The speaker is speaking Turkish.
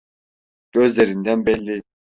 Gözlerinden belli.